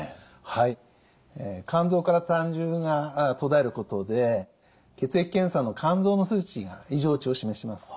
はい肝臓から胆汁が途絶えることで血液検査の肝臓の数値が異常値を示します。